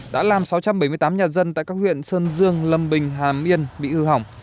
đã làm sáu trăm bảy mươi tám nhà dân tại các huyện sơn dương lâm bình hà miên bị hư hỏng